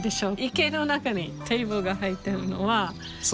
池の中にテーブルが入ってるのは。